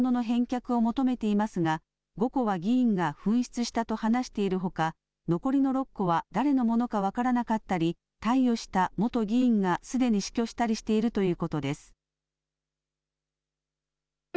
県は本物の返却を求めていますが、５個は議員が紛失したと話しているほか、残りの６個は誰のものか分からなかったり、貸与した元議員がすでに死去したりしているということです。